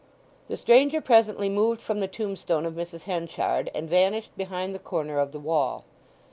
The stranger presently moved from the tombstone of Mrs. Henchard, and vanished behind the corner of the wall.